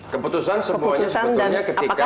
keputusan semuanya sebetulnya ketika